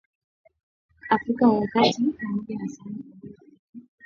Afrika ya kati Pamoja na sehemu nyingine za dunia kupitia ukurasa wetu wa mtandao wa